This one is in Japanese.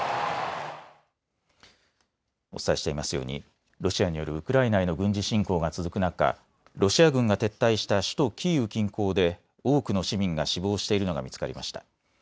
お伝えしていますようにロシアによるウクライナへの軍事侵攻が続く中、ロシア軍が撤退した首都キーウ近郊で多くの市民が死亡しているのが見つかりました。